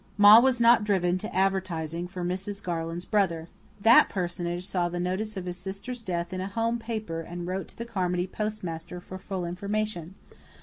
Ma was not driven to advertising for Mrs. Garland's brother. That personage saw the notice of his sister's death in a home paper and wrote to the Carmody postmaster for full information.